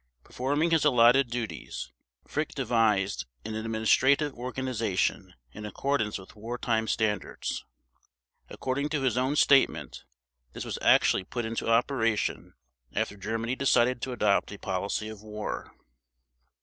Performing his allotted duties, Frick devised an administrative organization in accordance with wartime standards. According to his own statement, this was actually put into operation after Germany decided to adopt a policy of war.